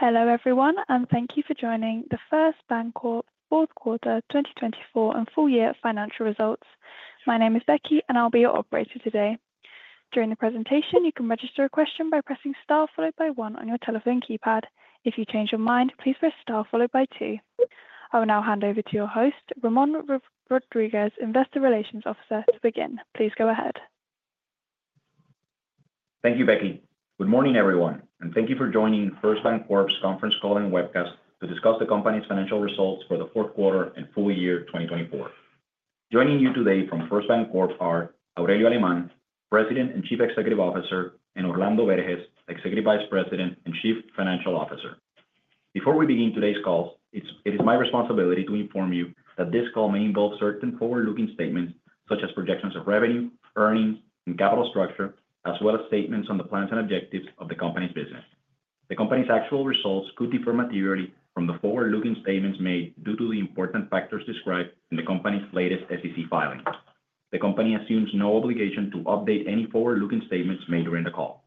Hello everyone, and thank you for joining the First BanCorp fourth quarter 2024 and full year financial results. My name is Becky, and I'll be your operator today. During the presentation, you can register a question by pressing star followed by one on your telephone keypad. If you change your mind, please press star followed by two. I will now hand over to your host, Ramon Rodríguez, Investor Relations Officer, to begin. Please go ahead. Thank you, Becky. Good morning everyone, and thank you for joining First BanCorp's conference call and webcast to discuss the company's financial results for the fourth quarter and full year 2024. Joining you today from First BanCorp are Aurelio Alemán, President and Chief Executive Officer, and Orlando Berges, Executive Vice President and Chief Financial Officer. Before we begin today's call, it is my responsibility to inform you that this call may involve certain forward-looking statements such as projections of revenue, earnings, and capital structure, as well as statements on the plans and objectives of the company's business. The company's actual results could differ materially from the forward-looking statements made due to the important factors described in the company's latest SEC filing. The company assumes no obligation to update any forward-looking statements made during the call.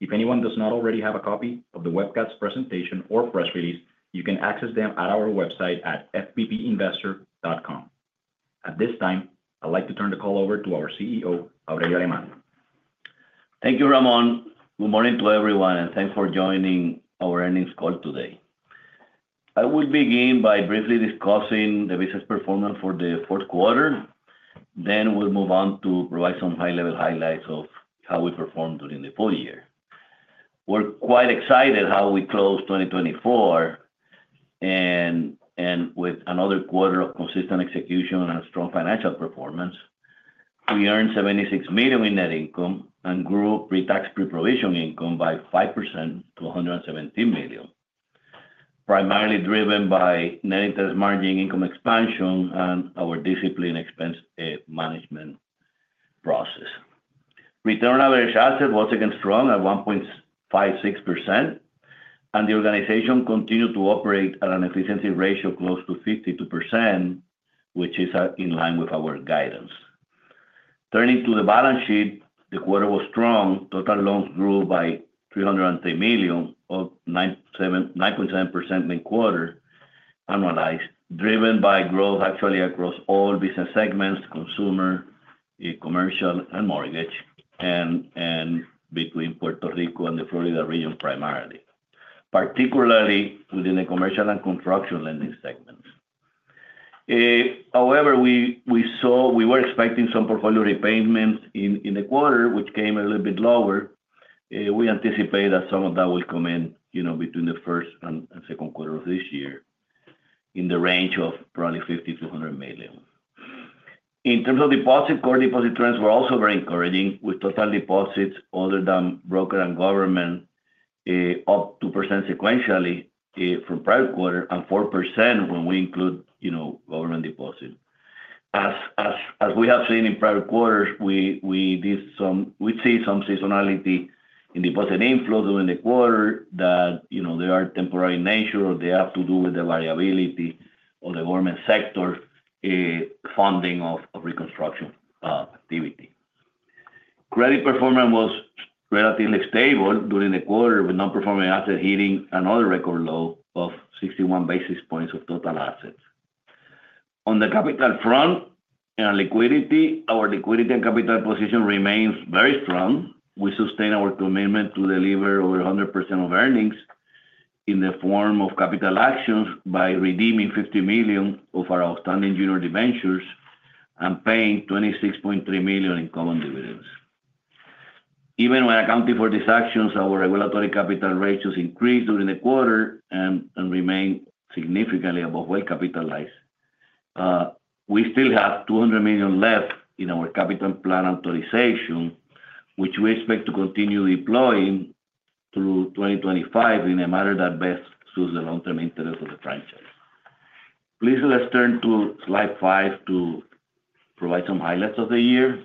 If anyone does not already have a copy of the webcast presentation or press release, you can access them at our website at investor.firstbancorp.com. At this time, I'd like to turn the call over to our CEO, Aurelio Alemán. Thank you, Ramon. Good morning to everyone, and thanks for joining our earnings call today. I will begin by briefly discussing the business performance for the fourth quarter. Then we'll move on to provide some high-level highlights of how we performed during the full year. We're quite excited how we closed 2024, and with another quarter of consistent execution and strong financial performance. We earned $76 million in net income and grew pre-tax pre-provision income by 5% to $117 million, primarily driven by net interest margin income expansion and our disciplined expense management process. Return on average assets was again strong at 1.56%, and the organization continued to operate at an efficiency ratio close to 52%, which is in line with our guidance. Turning to the balance sheet, the quarter was strong. Total loans grew by $310 million, up 9.7% mid-quarter annualized, driven by growth actually across all business segments: consumer, commercial, and mortgage, and between Puerto Rico and the Florida region primarily, particularly within the commercial and construction lending segments. However, we saw we were expecting some portfolio repayments in the quarter, which came a little bit lower. We anticipate that some of that will come in between the first and second quarter of this year in the range of probably $50 to $100 million. In terms of deposits, core deposit trends were also very encouraging, with total deposits other than broker and government up 2% sequentially from prior quarter and 4% when we include government deposits. As we have seen in prior quarters, we did see some seasonality in deposit inflows during the quarter that they are temporary in nature or they have to do with the variability of the government sector funding of reconstruction activity. Credit performance was relatively stable during the quarter, with non-performing assets hitting another record low of 61 basis points of total assets. On the capital front and liquidity, our liquidity and capital position remains very strong. We sustain our commitment to deliver over 100% of earnings in the form of capital actions by redeeming $50 million of our outstanding junior debentures and paying $26.3 million in common dividends. Even when accounting for these actions, our regulatory capital ratios increased during the quarter and remained significantly above well-capitalized. We still have $200 million left in our capital plan authorization, which we expect to continue deploying through 2025 in a manner that best suits the long-term interest of the franchise. Please let's turn to slide five to provide some highlights of the year.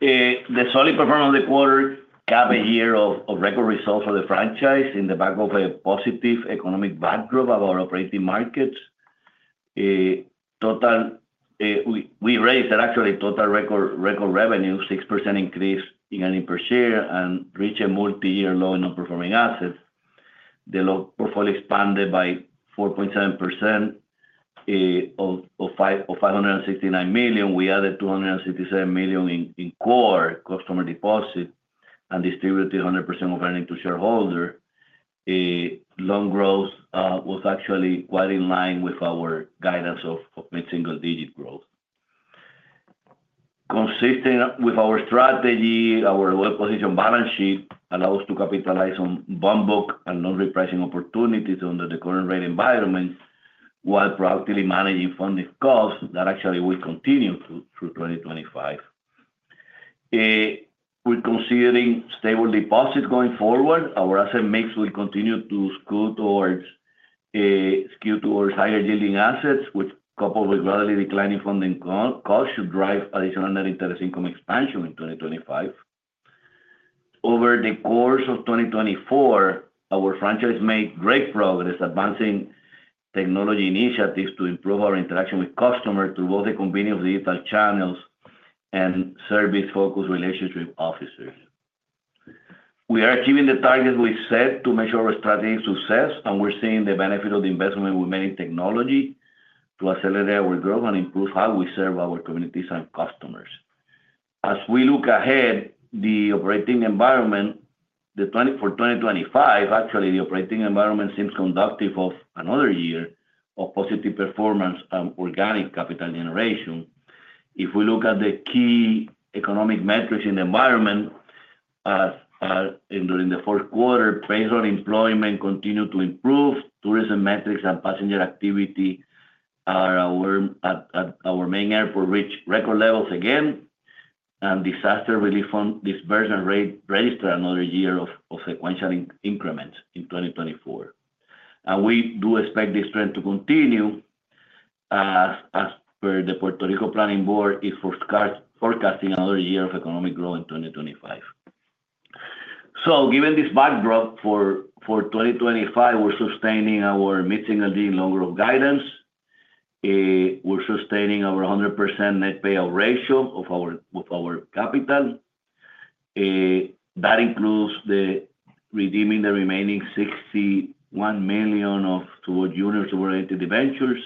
The solid performance of the quarter gave a year of record results for the franchise in the back of a positive economic backdrop of our operating markets. Total we raised that actually total record revenue, 6% increase in earnings per share and reached a multi-year low in non-performing assets. The portfolio expanded by 4.7% of $569 million. We added $267 million in core customer deposit and distributed 100% of earnings to shareholders. Loan growth was actually quite in line with our guidance of mid-single digit growth. Consistent with our strategy, our well-positioned balance sheet allows us to capitalize on bond book and non-repricing opportunities under the current rate environment while proactively managing funding costs that actually will continue through 2025. We're considering stable deposits going forward. Our asset mix will continue to skew towards higher yielding assets, which coupled with gradually declining funding costs should drive additional net interest income expansion in 2025. Over the course of 2024, our franchise made great progress advancing technology initiatives to improve our interaction with customers through both the convenience of digital channels and service-focused relationship officers. We are achieving the targets we set to measure our strategic success, and we're seeing the benefit of the investment we made in technology to accelerate our growth and improve how we serve our communities and customers. As we look ahead, the operating environment for 2025 actually seems conducive of another year of positive performance and organic capital generation. If we look at the key economic metrics in the environment during the fourth quarter, payroll employment continued to improve. Tourism metrics and passenger activity at our main airport reached record levels again, and disaster relief fund disbursement rate registered another year of sequential increments in 2024, and we do expect this trend to continue as the Puerto Rico Planning Board is forecasting another year of economic growth in 2025, so given this backdrop for 2025, we're sustaining our mid-single digit loan growth guidance. We're sustaining our 100% net payout ratio of our capital. That includes redeeming the remaining $61 million of junior subordinated debentures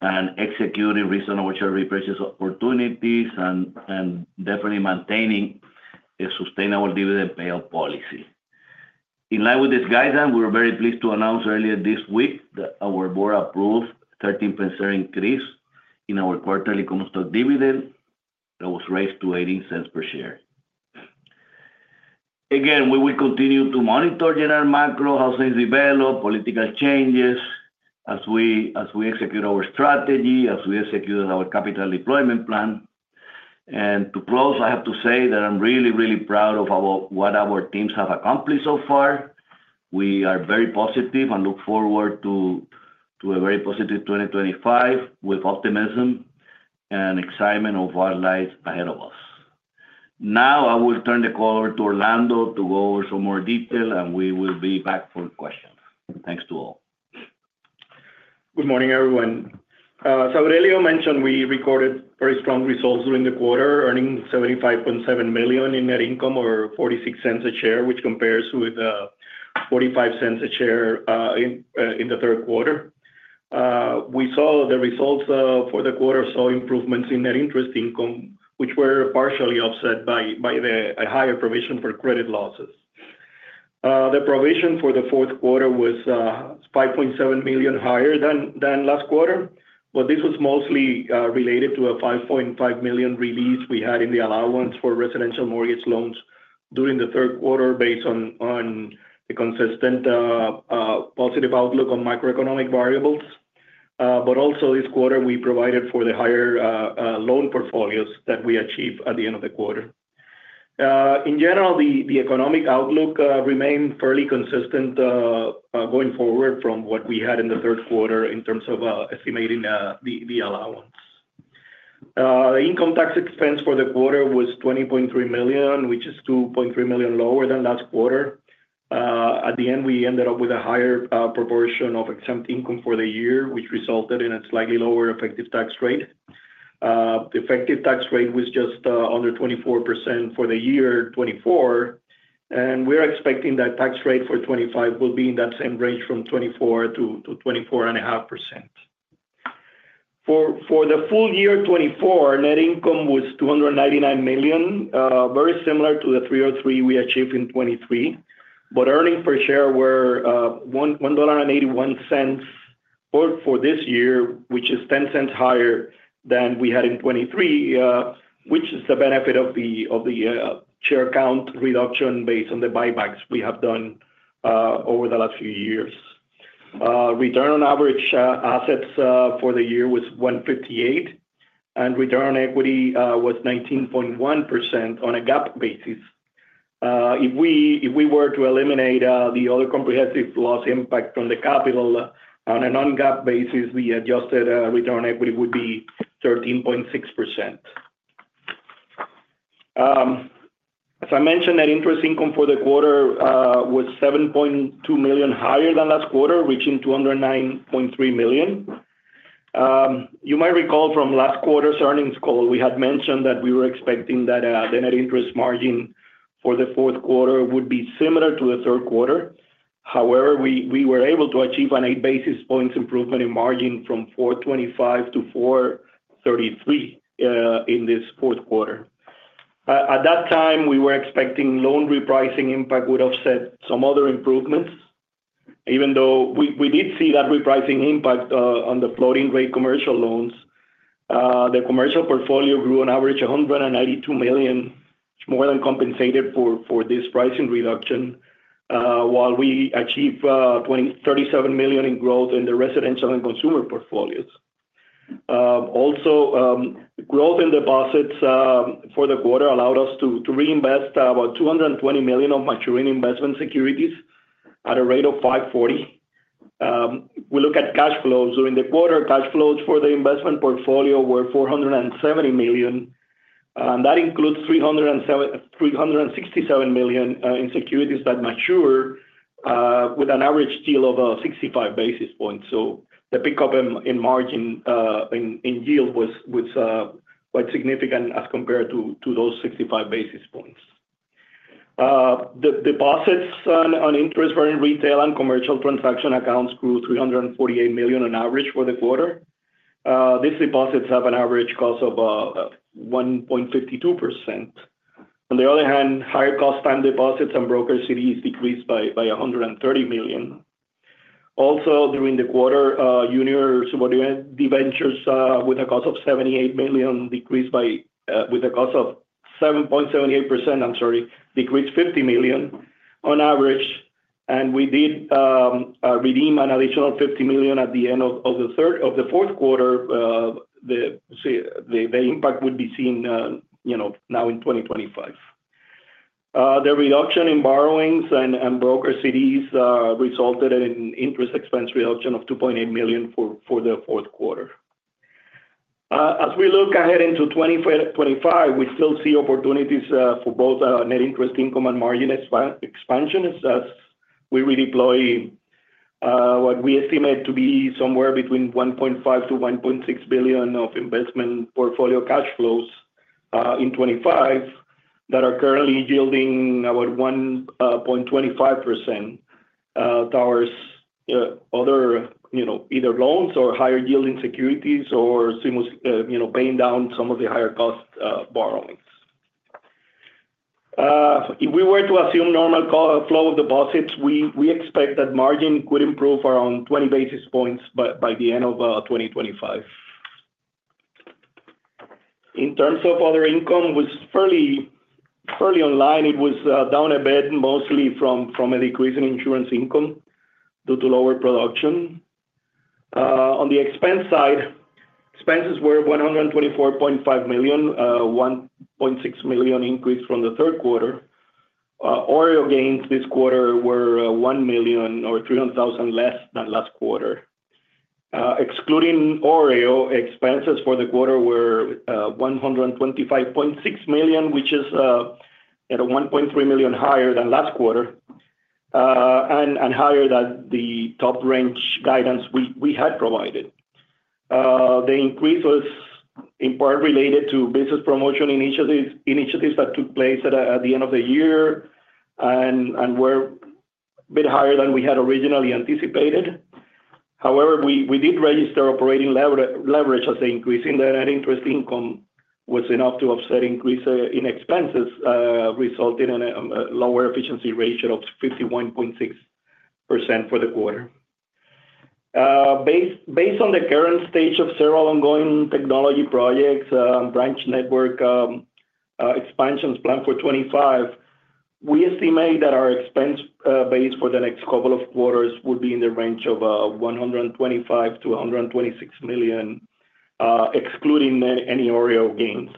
and executing recent oversubscribed repurchase opportunities and definitely maintaining a sustainable dividend payout policy. In line with this guidance, we were very pleased to announce earlier this week that our board approved a 13% increase in our quarterly common stock dividend that was raised to $0.18 per share. Again, we will continue to monitor general macro, how things develop, political changes as we execute our strategy, as we execute our capital deployment plan and to close, I have to say that I'm really, really proud of what our teams have accomplished so far. We are very positive and look forward to a very positive 2025 with optimism and excitement of what lies ahead of us. Now I will turn the call over to Orlando to go over some more detail, and we will be back for questions. Thanks to all. Good morning, everyone, so Aurelio mentioned we recorded very strong results during the quarter, earning $75.7 million in net income or $0.46 a share, which compares with $0.45 a share in the third quarter. We saw the results for the quarter saw improvements in net interest income, which were partially offset by a higher provision for credit losses. The provision for the fourth quarter was $5.7 million higher than last quarter, but this was mostly related to a $5.5 million release we had in the allowance for residential mortgage loans during the third quarter based on the consistent positive outlook on macroeconomic variables, but also this quarter, we provided for the higher loan portfolios that we achieved at the end of the quarter. In general, the economic outlook remained fairly consistent going forward from what we had in the third quarter in terms of estimating the allowance. Income tax expense for the quarter was $20.3 million, which is $2.3 million lower than last quarter. At the end, we ended up with a higher proportion of exempt income for the year, which resulted in a slightly lower effective tax rate. The effective tax rate was just under 24% for the year 2024, and we're expecting that tax rate for 2025 will be in that same range from 24%-24.5%. For the full year 2024, net income was $299 million, very similar to the $303 million we achieved in 2023, but earnings per share were $1.81 for this year, which is $0.10 higher than we had in 2023, which is the benefit of the share count reduction based on the buybacks we have done over the last few years. Return on average assets for the year was 1.58%, and return on equity was 19.1% on a GAAP basis. If we were to eliminate the other comprehensive loss impact from the capital on a non-GAAP basis, the adjusted return on equity would be 13.6%. As I mentioned, net interest income for the quarter was $7.2 million higher than last quarter, reaching $209.3 million. You might recall from last quarter's earnings call, we had mentioned that we were expecting that the net interest margin for the fourth quarter would be similar to the third quarter. However, we were able to achieve an eight basis points improvement in margin from 425 to 433 in this fourth quarter. At that time, we were expecting loan repricing impact would offset some other improvements. Even though we did see that repricing impact on the floating rate commercial loans, the commercial portfolio grew on average $192 million, which more than compensated for this pricing reduction, while we achieved $37 million in growth in the residential and consumer portfolios. Also, growth in deposits for the quarter allowed us to reinvest about $220 million of maturing investment securities at a rate of 5.40%. We look at cash flows. During the quarter, cash flows for the investment portfolio were $470 million, and that includes $367 million in securities that mature with an average yield of 65 basis points. So the pickup in margin in yield was quite significant as compared to those 65 basis points. Deposits on interest rate retail and commercial transaction accounts grew $348 million on average for the quarter. These deposits have an average cost of 1.52%. On the other hand, higher cost time deposits and broker CDs decreased by $130 million. Also, during the quarter, junior subordinated debentures with a cost of $78 million with a cost of 7.78%. I'm sorry, decreased $50 million on average. We did redeem an additional $50 million at the end of the fourth quarter. The impact would be seen now in 2025. The reduction in borrowings and broker CDs resulted in an interest expense reduction of $2.8 million for the fourth quarter. As we look ahead into 2025, we still see opportunities for both net interest income and margin expansion as we redeploy what we estimate to be somewhere between $1.5-$1.6 billion of investment portfolio cash flows in 2025 that are currently yielding about 1.25% to our other either loans or higher yielding securities or paying down some of the higher cost borrowings. If we were to assume normal flow of deposits, we expect that margin could improve around 20 basis points by the end of 2025. In terms of other income, it was fairly in line. It was down a bit mostly from a decrease in insurance income due to lower production. On the expense side, expenses were $124.5 million, a $1.6 million increase from the third quarter. OREO gains this quarter were $1 million or $300,000 less than last quarter. Excluding OREO, expenses for the quarter were $125.6 million, which is $1.3 million higher than last quarter and higher than the top range guidance we had provided. The increase was in part related to business promotion initiatives that took place at the end of the year and were a bit higher than we had originally anticipated. However, we did register operating leverage as an increase in the net interest income was enough to offset increase in expenses, resulting in a lower efficiency ratio of 51.6% for the quarter. Based on the current stage of several ongoing technology projects and branch network expansions planned for 2025, we estimate that our expense base for the next couple of quarters would be in the range of $125-$126 million, excluding any OREO gains.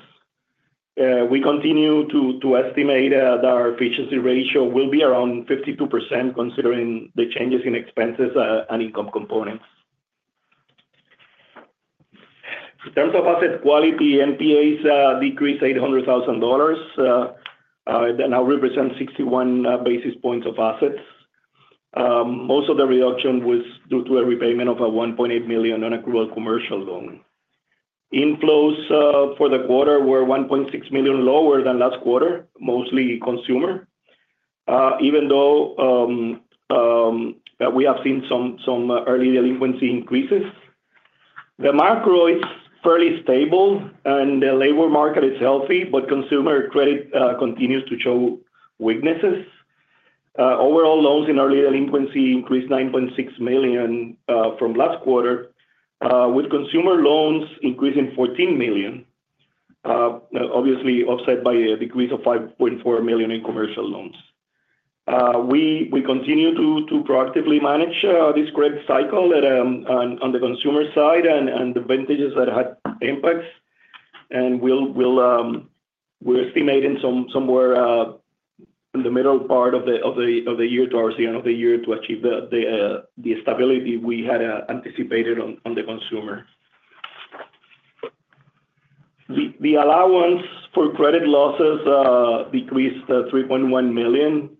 We continue to estimate that our efficiency ratio will be around 52%, considering the changes in expenses and income components. In terms of asset quality, NPAs decreased $800,000 that now represents 61 basis points of assets. Most of the reduction was due to a repayment of a $1.8 million non-accrual commercial loan. Inflows for the quarter were $1.6 million lower than last quarter, mostly consumer, even though we have seen some early delinquency increases. The macro is fairly stable, and the labor market is healthy, but consumer credit continues to show weaknesses. Overall, loans in early delinquency increased $9.6 million from last quarter, with consumer loans increasing $14 million, obviously offset by a decrease of $5.4 million in commercial loans. We continue to proactively manage this great cycle on the consumer side and the advantages that had impacts. We're estimating somewhere in the middle part of the year towards the end of the year to achieve the stability we had anticipated on the consumer. The allowance for credit losses decreased $3.1 million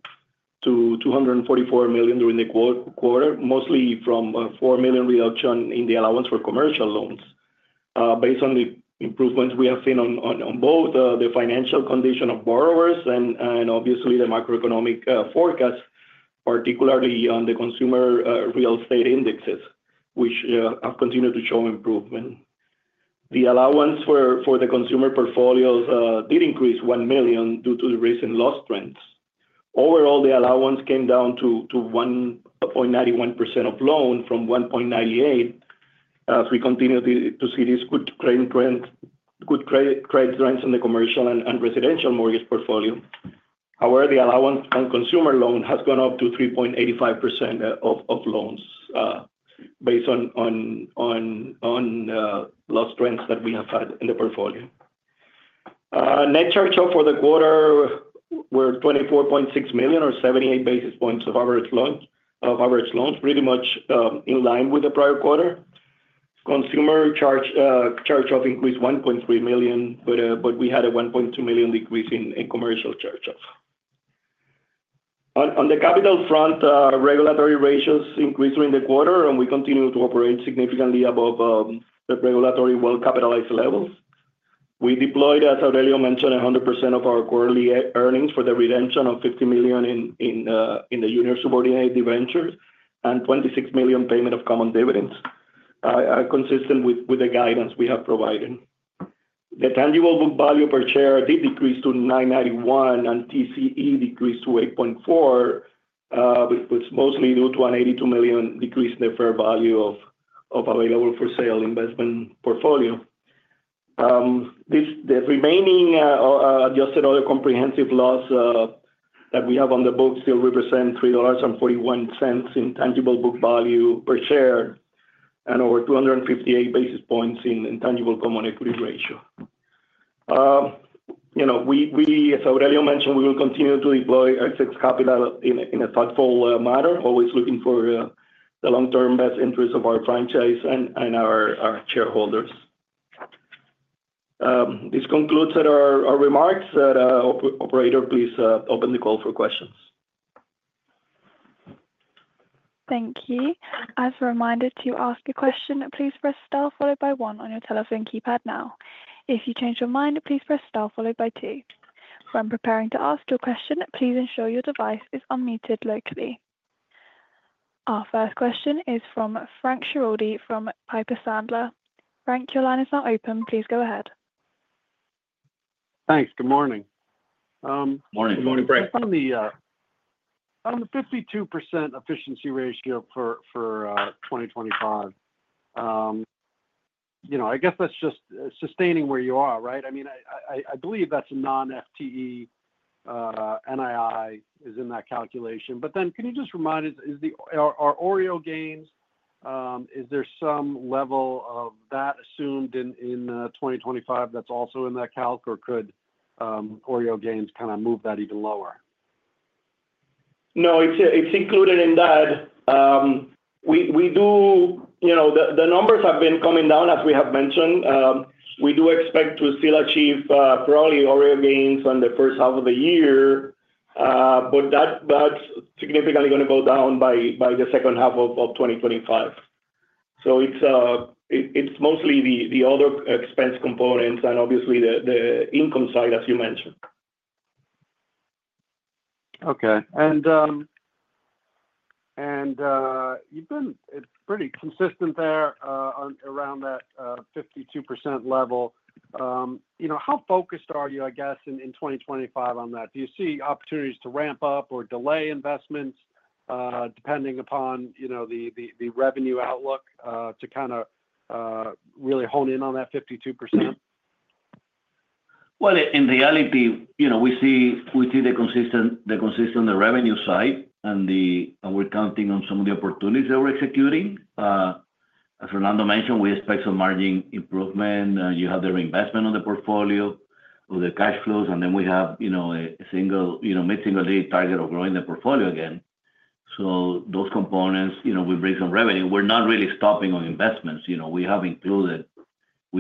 to $244 million during the quarter, mostly from a $4 million reduction in the allowance for commercial loans. Based on the improvements we have seen on both the financial condition of borrowers and obviously the macroeconomic forecast, particularly on the consumer real estate indexes, which have continued to show improvement. The allowance for the consumer portfolios did increase $1 million due to the recent loss trends. Overall, the allowance came down to 1.91% of loans from 1.98% as we continue to see these good credit trends in the commercial and residential mortgage portfolio. However, the allowance on consumer loans has gone up to 3.85% of loans based on loss trends that we have had in the portfolio. Net charge-offs for the quarter were $24.6 million or 78 basis points of average loans, pretty much in line with the prior quarter. Consumer charge-offs increased $1.3 million, but we had a $1.2 million decrease in commercial charge-offs. On the capital front, regulatory ratios increased during the quarter, and we continue to operate significantly above the regulatory well-capitalized levels. We deployed, as Aurelio mentioned, 100% of our quarterly earnings for the redemption of $50 million in junior subordinated debentures and $26 million payment of common dividends, consistent with the guidance we have provided. The tangible book value per share did decrease to $9.91, and TCE decreased to 8.4%, but it was mostly due to an $82 million decrease in the fair value of available for sale investment portfolio. The remaining adjusted other comprehensive loss that we have on the books still represents $3.41 in tangible book value per share and over 258 basis points in tangible common equity ratio. As Aurelio mentioned, we will continue to deploy excess capital in a thoughtful manner, always looking for the long-term best interest of our franchise and our shareholders. This concludes our remarks. Operator, please open the call for questions. Thank you. As reminded, to ask a question, please press star followed by one on your telephone keypad now. If you change your mind, please press star followed by two. When preparing to ask your question, please ensure your device is unmuted locally. Our first question is from Frank Schiraldi from Piper Sandler. Frank, your line is now open. Please go ahead. Thanks. Good morning. Good morning, Frank. On the 52% efficiency ratio for 2025, I guess that's just sustaining where you are, right? I mean, I believe that's a non-FTE NII is in that calculation. But then can you just remind us, are OREO gains, is there some level of that assumed in 2025 that's also in that calc, or could OREO gains kind of move that even lower? No, it's included in that. The numbers have been coming down, as we have mentioned. We do expect to still achieve probably OREO gains on the first half of the year, but that's significantly going to go down by the second half of 2025. So it's mostly the other expense components and obviously the income side, as you mentioned. Okay. And you've been pretty consistent there around that 52% level. How focused are you, I guess, in 2025 on that? Do you see opportunities to ramp up or delay investments depending upon the revenue outlook to kind of really hone in on that 52%? In reality, we see the consistent revenue side, and we're counting on some of the opportunities that we're executing. As Fernando mentioned, we expect some margin improvement. You have the reinvestment of the portfolio, of the cash flows, and then we have a mid-single-digit target of growing the portfolio again. Those components, we bring some revenue. We're not really stopping on investments. We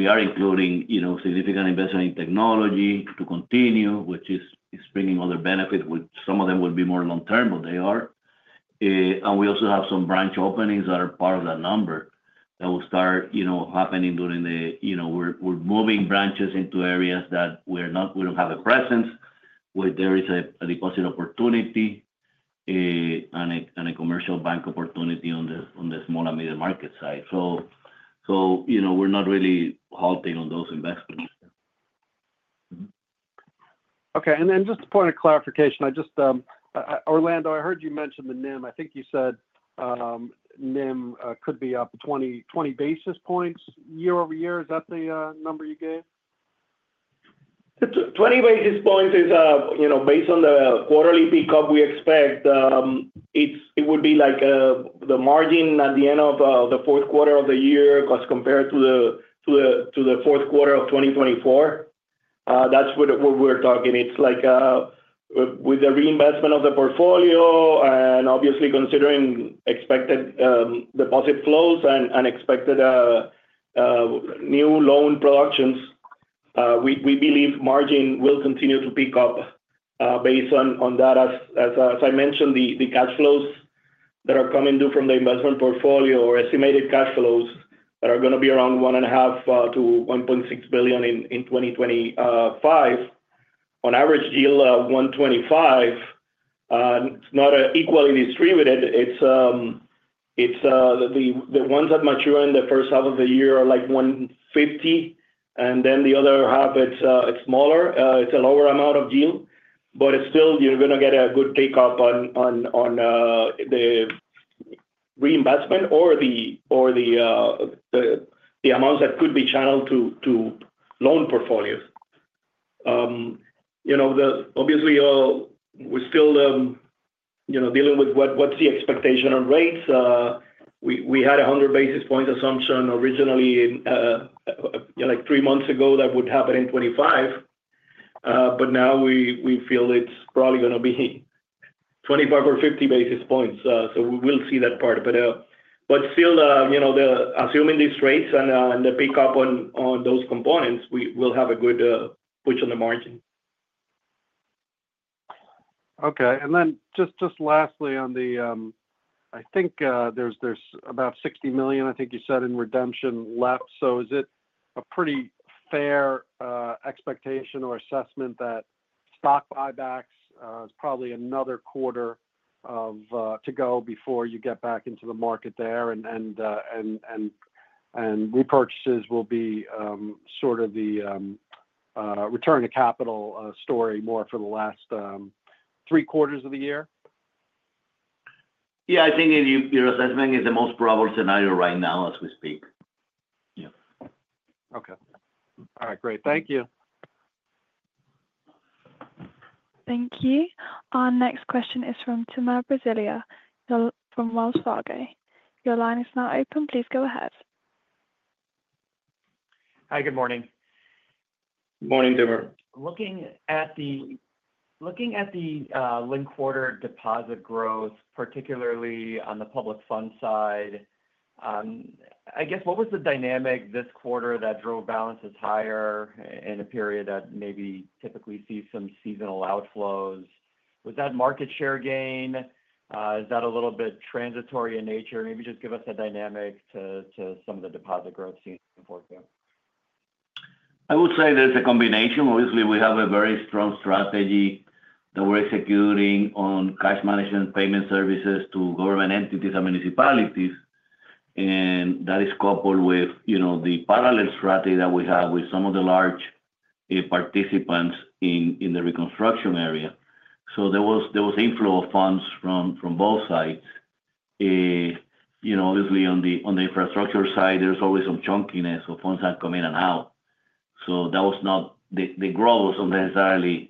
are including significant investment in technology to continue, which is bringing other benefits, which some of them will be more long-term, but they are. We also have some branch openings that are part of that number that will start happening during the year. We're moving branches into areas that we don't have a presence, where there is a deposit opportunity and a commercial bank opportunity on the small and medium market side. We're not really halting on those investments. Okay. And then just a point of clarification. Orlando, I heard you mention the NIM. I think you said NIM could be up 20 basis points year over year. Is that the number you gave? 20 basis points is based on the quarterly pickup we expect. It would be like the margin at the end of the fourth quarter of the year as compared to the fourth quarter of 2024. That's what we're talking. It's like with the reinvestment of the portfolio and obviously considering expected deposit flows and expected new loan productions, we believe margin will continue to pick up based on that. As I mentioned, the cash flows that are coming due from the investment portfolio or estimated cash flows that are going to be around $1.5-$1.6 billion in 2025, on average yield of 125 basis points, it's not equally distributed. The ones that mature in the first half of the year are like 150 basis points, and then the other half, it's smaller. It's a lower amount of yield. But still, you're going to get a good takeoff on the reinvestment or the amounts that could be channeled to loan portfolios. Obviously, we're still dealing with what's the expectation on rates. We had a 100 basis points assumption originally like three months ago that would happen in 2025, but now we feel it's probably going to be 25 or 50 basis points. So we will see that part. But still, assuming these rates and the pickup on those components, we'll have a good push on the margin. Okay. And then just lastly, I think there's about $60 million, I think you said, in redemption left. So is it a pretty fair expectation or assessment that stock buybacks is probably another quarter to go before you get back into the market there, and repurchases will be sort of the return to capital story more for the last three quarters of the year? Yeah. I think your assessment is the most probable scenario right now as we speak. Okay. All right. Great. Thank you. Thank you. Our next question is from Timur Braziler from Wells Fargo. Your line is now open. Please go ahead. Hi. Good morning. Good morning, Timur. Looking at the linked quarter deposit growth, particularly on the public funds side, I guess what was the dynamic this quarter that drove balances higher in a period that maybe typically sees some seasonal outflows? Was that market share gain? Is that a little bit transitory in nature? Maybe just give us a dynamic to some of the deposit growth seen in the portfolio. I would say there's a combination. Obviously, we have a very strong strategy that we're executing on cash management payment services to government entities and municipalities, and that is coupled with the parallel strategy that we have with some of the large participants in the reconstruction area. So there was inflow of funds from both sides. Obviously, on the infrastructure side, there's always some chunkiness of funds that come in and out. So the growth wasn't necessarily.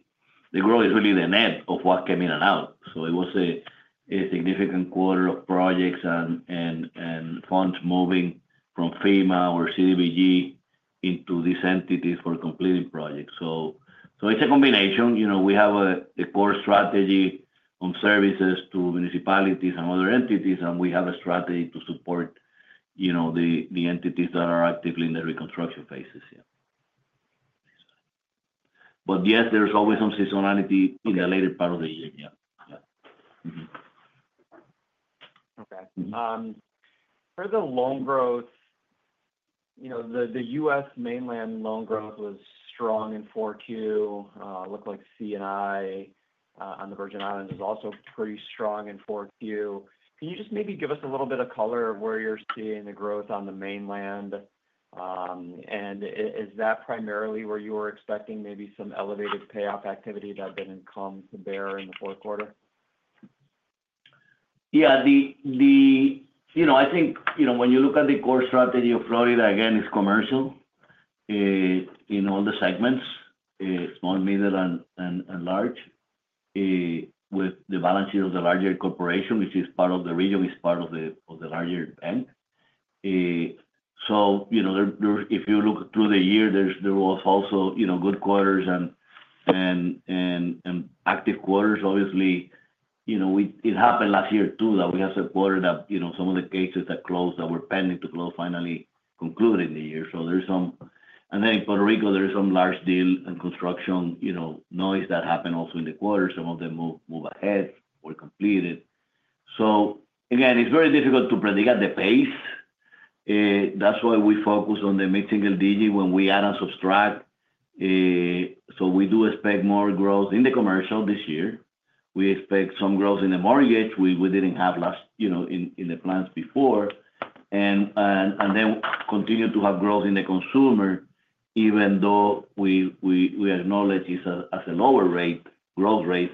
The growth is really the net of what came in and out. So it was a significant quarter of projects and funds moving from FEMA or CDBG into these entities for completing projects. So it's a combination. We have a core strategy on services to municipalities and other entities, and we have a strategy to support the entities that are actively in the reconstruction phases. Yes, there's always some seasonality in the later part of the year. Yeah. Yeah. Okay. For the loan growth, the US mainland loan growth was strong in Q4. It looked like CNI on the Virgin Islands was also pretty strong in Q4. Can you just maybe give us a little bit of color of where you're seeing the growth on the mainland? And is that primarily where you were expecting maybe some elevated payoff activity that didn't come to bear in the fourth quarter? Yeah. I think when you look at the core strategy of Florida, again, it's commercial in all the segments, small, medium, and large, with the balance sheet of the larger corporation, which is part of the region, is part of the larger bank. So if you look through the year, there was also good quarters and active quarters. Obviously, it happened last year too that we had a quarter that some of the cases that closed that were pending to close finally concluded in the year. So there's some and then in Puerto Rico, there is some large deal and construction noise that happened also in the quarter. Some of them moved ahead or completed. So again, it's very difficult to predict at the pace. That's why we focus on the mid-single-digit when we add and subtract. So we do expect more growth in the commercial this year. We expect some growth in the mortgage, which we didn't have in the plans before, and then continue to have growth in the consumer, even though we acknowledge it's at a lower growth rate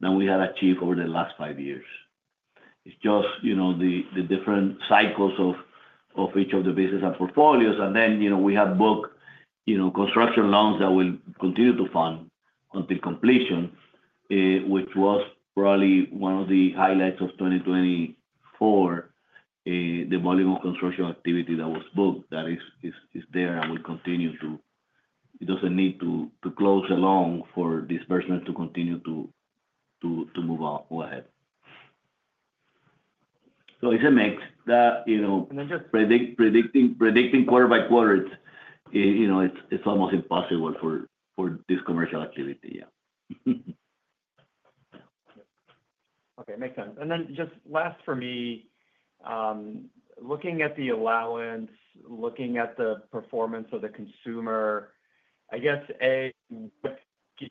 than we had achieved over the last five years. It's just the different cycles of each of the business and portfolios. And then we have booked construction loans that will continue to fund until completion, which was probably one of the highlights of 2024, the volume of construction activity that was booked that is there and will continue to. It doesn't need to close a loan for this person to continue to move ahead. So it's a mix that predicting quarter by quarter, it's almost impossible for this commercial activity. Yeah. Okay. Makes sense. And then just last for me, looking at the allowance, looking at the performance of the consumer, I guess, A, what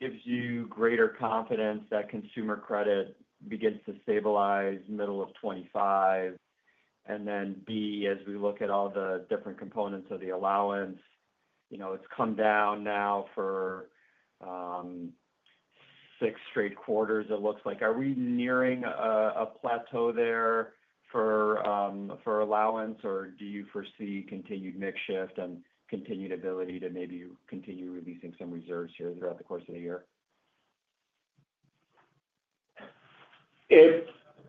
gives you greater confidence that consumer credit begins to stabilize middle of 2025? And then B, as we look at all the different components of the allowance, it's come down now for six straight quarters, it looks like. Are we nearing a plateau there for allowance, or do you foresee continued drawdown and continued ability to maybe continue releasing some reserves here throughout the course of the year?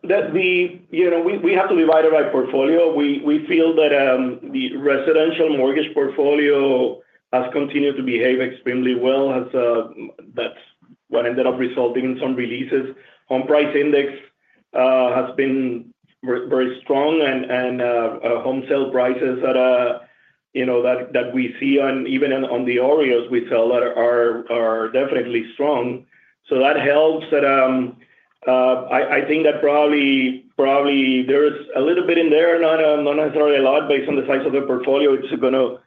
We have to divide it by portfolio. We feel that the residential mortgage portfolio has continued to behave extremely well. That's what ended up resulting in some releases. Home price index has been very strong, and home sale prices that we see on, even on, the OREOs we sell are definitely strong. So that helps that I think that probably there's a little bit in there, not necessarily a lot based on the size of the portfolio. The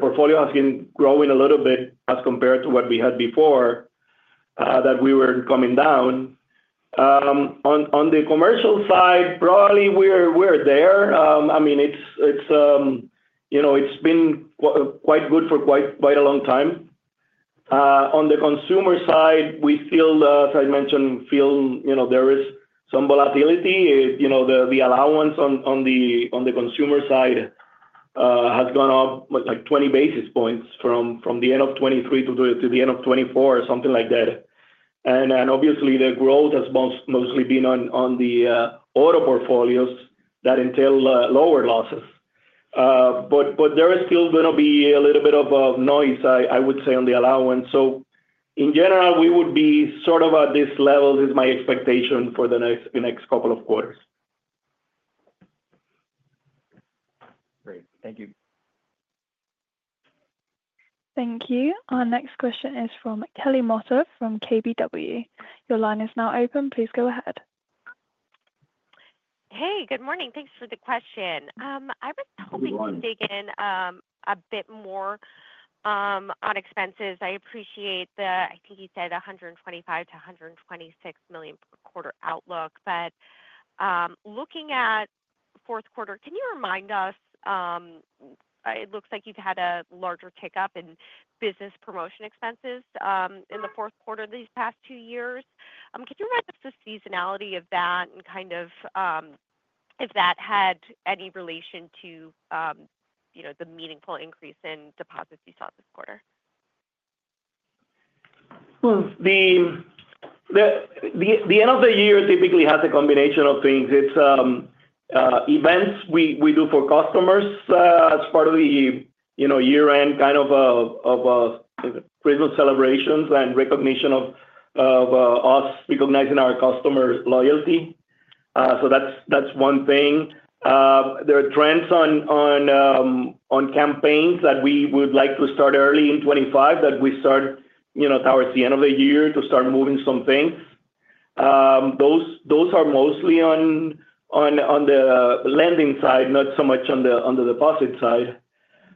portfolio has been growing a little bit as compared to what we had before that we were coming down. On the commercial side, probably we're there. I mean, it's been quite good for quite a long time. On the consumer side, we still, as I mentioned, feel there is some volatility. The allowance on the consumer side has gone up like 20 basis points from the end of 2023 to the end of 2024, something like that, and obviously, the growth has mostly been on the auto portfolios that entail lower losses, but there is still going to be a little bit of noise, I would say, on the allowance, so in general, we would be sort of at this level, this is my expectation for the next couple of quarters. Great. Thank you. Thank you. Our next question is from Kelly Motta from KBW. Your line is now open. Please go ahead. Hey, good morning. Thanks for the question. I was hoping to dig in a bit more on expenses. I appreciate the, I think you said $125 million-$126 million per quarter outlook. But looking at fourth quarter, can you remind us? It looks like you've had a larger tick up in business promotion expenses in the fourth quarter these past two years. Could you remind us of the seasonality of that and kind of if that had any relation to the meaningful increase in deposits you saw this quarter? The end of the year typically has a combination of things. It's events we do for customers as part of the year-end kind of Christmas celebrations and recognition of us recognizing our customer loyalty. That's one thing. There are trends on campaigns that we would like to start early in 2025 that we start towards the end of the year to start moving some things. Those are mostly on the lending side, not so much on the deposit side.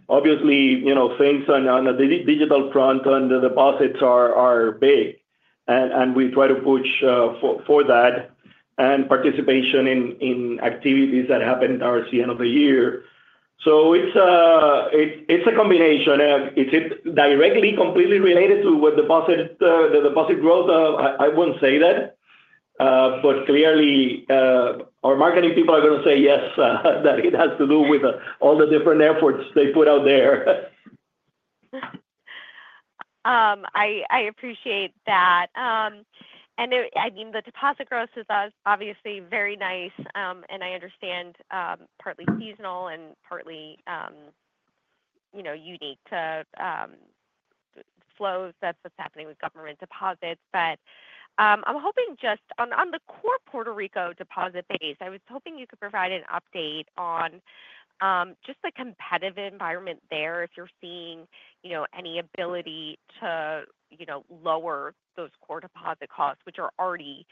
Obviously, things on the digital front on the deposits are big, and we try to push for that and participation in activities that happen towards the end of the year. It's a combination. Is it directly completely related to the deposit growth? I wouldn't say that. But clearly, our marketing people are going to say yes, that it has to do with all the different efforts they put out there. I appreciate that. And I mean, the deposit growth is obviously very nice, and I understand partly seasonal and partly unique to flows that's happening with government deposits. But I'm hoping just on the core Puerto Rico deposit base, I was hoping you could provide an update on just the competitive environment there, if you're seeing any ability to lower those core deposit costs, which are already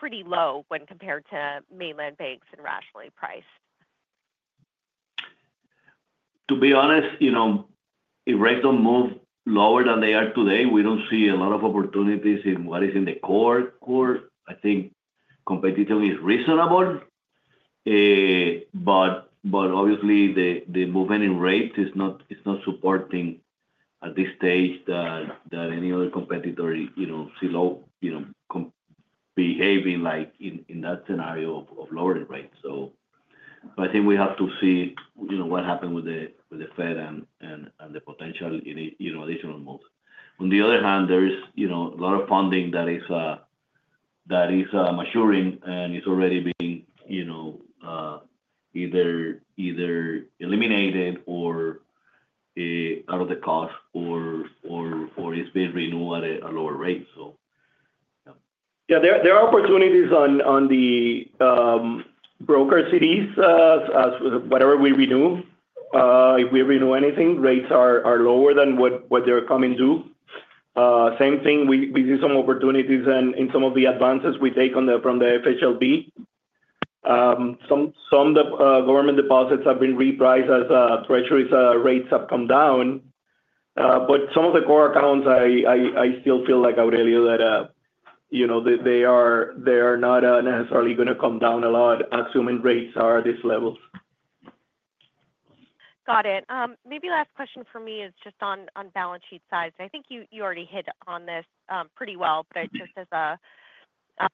pretty low when compared to mainland banks and rationally priced. To be honest, if rates don't move lower than they are today, we don't see a lot of opportunities in what is in the fourth quarter. I think competition is reasonable, but obviously, the movement in rates is not supporting at this stage that any other competitor see behaving like in that scenario of lowering rates. So I think we have to see what happened with the Fed and the potential additional moves. On the other hand, there is a lot of funding that is maturing and is already being either eliminated or out of the cost or it's being renewed at a lower rate. So. Yeah. There are opportunities on the broker CDs, whatever we renew. If we renew anything, rates are lower than what they're coming due. Same thing, we see some opportunities in some of the advances we take from the FHLB. Some government deposits have been repriced as treasuries rates have come down. But some of the core accounts, I still feel like I would tell you that they are not necessarily going to come down a lot assuming rates are at these levels. Got it. Maybe last question for me is just on balance sheet size. I think you already hit on this pretty well, but just as a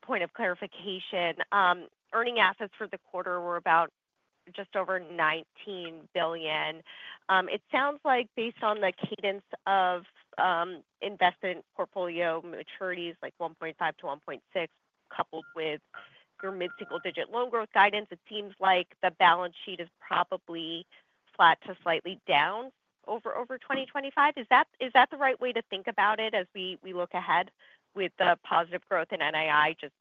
point of clarification, earning assets for the quarter were about just over $19 billion. It sounds like based on the cadence of investment portfolio maturities like $1.5 billion to $1.6 billion coupled with your mid-single-digit loan growth guidance, it seems like the balance sheet is probably flat to slightly down over 2025. Is that the right way to think about it as we look ahead with the positive growth in NII just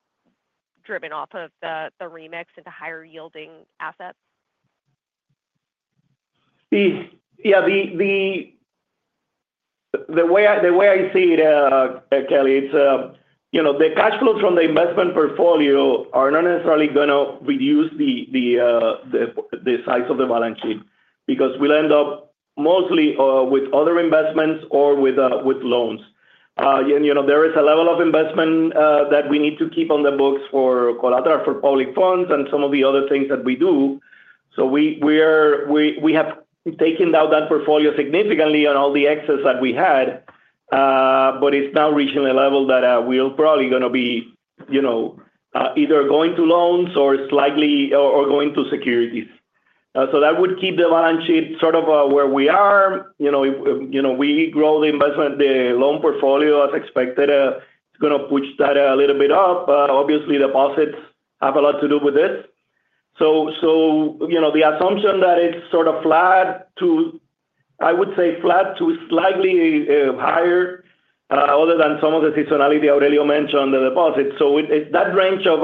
driven off of the remix into higher-yielding assets? Yeah. The way I see it, Kelly, it's the cash flows from the investment portfolio are not necessarily going to reduce the size of the balance sheet because we'll end up mostly with other investments or with loans. There is a level of investment that we need to keep on the books for collateral for public funds and some of the other things that we do. So we have taken down that portfolio significantly on all the excess that we had, but it's now reaching a level that we're probably going to be either going to loans or going to securities. So that would keep the balance sheet sort of where we are. We grow the investment, the loan portfolio as expected. It's going to push that a little bit up. Obviously, deposits have a lot to do with this. So the assumption that it's sort of flat to, I would say, flat to slightly higher other than some of the seasonality Aurelio mentioned on the deposits. So that range of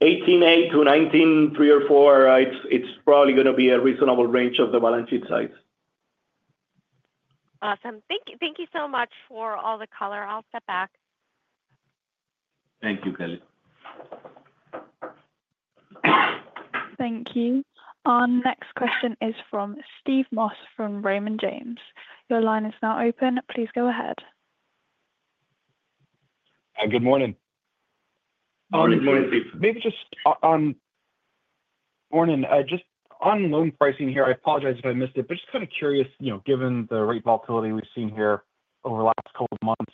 $18B to $19.3 or 4B, it's probably going to be a reasonable range of the balance sheet size. Awesome. Thank you so much for all the color. I'll step back. Thank you, Kelly. Thank you. Our next question is from Steve Moss from Raymond James. Your line is now open. Please go ahead. Good morning. Good morning, Steve. Maybe just on margin, just on loan pricing here, I apologize if I missed it, but just kind of curious, given the rate volatility we've seen here over the last couple of months,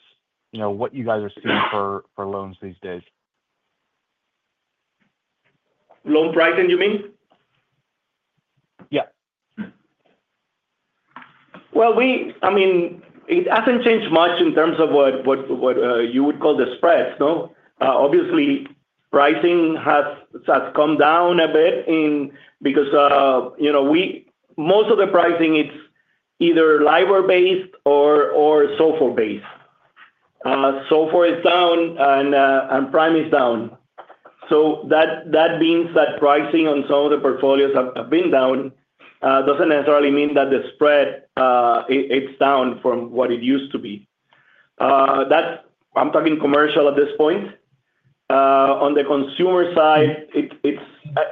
what you guys are seeing for loans these days? Loan pricing, you mean? Yeah. I mean, it hasn't changed much in terms of what you would call the spreads. Obviously, pricing has come down a bit because most of the pricing, it's either LIBOR-based or SOFR-based. SOFR is down and prime is down. So that means that pricing on some of the portfolios have been down. It doesn't necessarily mean that the spread, it's down from what it used to be. I'm talking commercial at this point. On the consumer side, it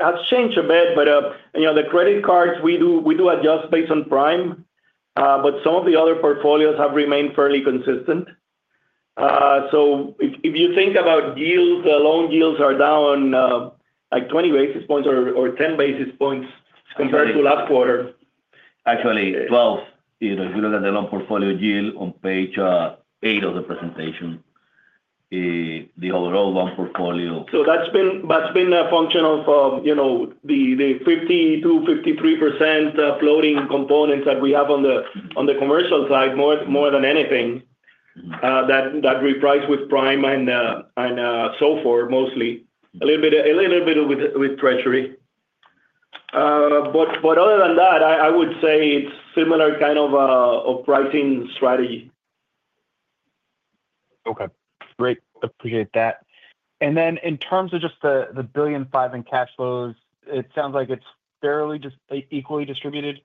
has changed a bit, but the credit cards, we do adjust based on prime, but some of the other portfolios have remained fairly consistent. So if you think about yields, the loan yields are down like 20 basis points or 10 basis points compared to last quarter. Actually, 12. If you look at the loan portfolio yield on page eight of the presentation, the overall loan portfolio. So that's been a function of the 52%-53% floating components that we have on the commercial side more than anything that repriced with prime and SOFR mostly, a little bit with treasury. But other than that, I would say it's similar kind of a pricing strategy. Okay. Great. Appreciate that. And then in terms of just the $1.5 billion in cash flows, it sounds like it's fairly just equally distributed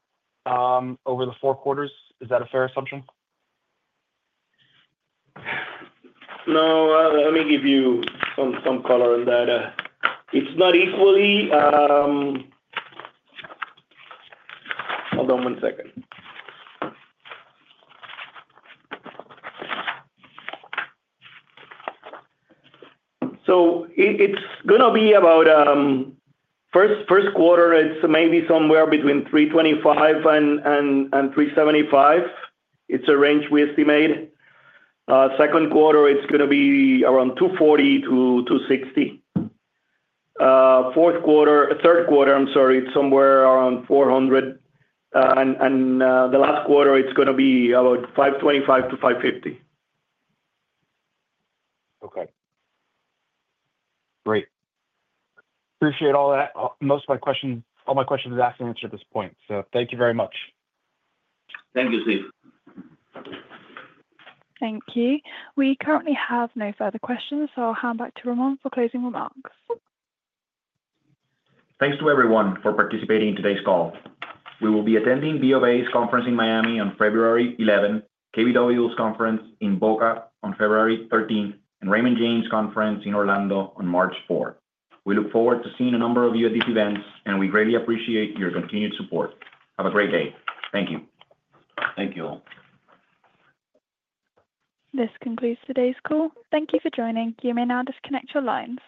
over the four quarters. Is that a fair assumption? No. Let me give you some color on that. It's not equally. Hold on one second. So it's going to be about first quarter; it's maybe somewhere between 325 and 375. It's a range we estimate. Second quarter, it's going to be around 240 to 260. Third quarter, I'm sorry, it's somewhere around 400, and the last quarter, it's going to be about 525 to 550. Okay. Great. Appreciate all that. Most of my questions, all my questions are asked and answered at this point. So thank you very much. Thank you, Steve. Thank you. We currently have no further questions, so I'll hand back to Ramon for closing remarks. Thanks to everyone for participating in today's call. We will be attending BOA's conference in Miami on February 11, KBW's conference in Boca on February 13, and Raymond James' conference in Orlando on March 4. We look forward to seeing a number of you at these events, and we greatly appreciate your continued support. Have a great day. Thank you. Thank you all. This concludes today's call. Thank you for joining. You may now disconnect your lines.